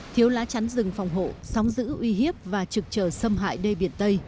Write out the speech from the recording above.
thiếu lá chắn rừng phòng hộ sóng giữ uy hiếp và trực trở xâm hại đê biển tây